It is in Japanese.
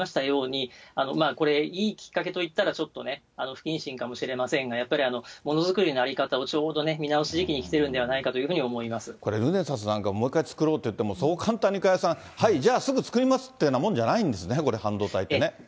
ですので、今、伊藤さんのお話ありましたように、いいきっかけといったらちょっとね、不謹慎かもしれませんが、やっぱりものづくりの在り方をちょうど見直す時期に来ているのではないかと思いまこれ、ルネサスなんかもう一回作ろうっていっても、加谷さん、はい、じゃあ作りますっていうようなもんじゃないんですね、これ、半導体ってね。